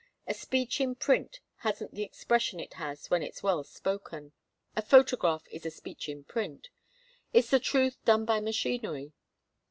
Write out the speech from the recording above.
A speech in print hasn't the expression it has when it's well spoken. A photograph is a speech in print. It's the truth done by machinery.